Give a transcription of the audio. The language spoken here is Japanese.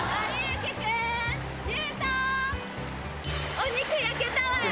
お肉焼けたわよ！